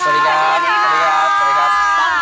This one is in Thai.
สวัสดีครับ